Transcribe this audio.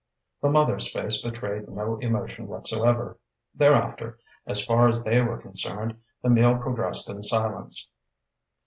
The mother's face betrayed no emotion whatsoever. Thereafter, as far as they were concerned, the meal progressed in silence.